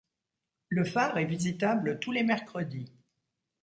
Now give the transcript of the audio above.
Le phare est visitable tous les mercredis.